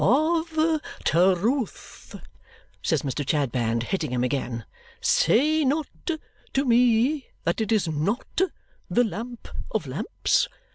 "Of Terewth," says Mr. Chadband, hitting him again. "Say not to me that it is NOT the lamp of lamps.